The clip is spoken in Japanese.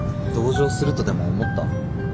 同情するとでも思った？